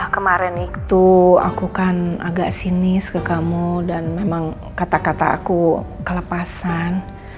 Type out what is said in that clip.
kemarin itu aku kan agak sinis ke kamu dan memang kata kata aku kelepasan